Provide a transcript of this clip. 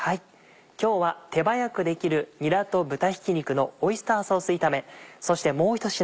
今日は手早くできる「にらと豚ひき肉のオイスターソース炒め」そしてもう一品